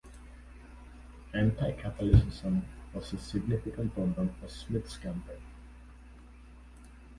Anti-Catholicism was a significant problem for Smith's campaign.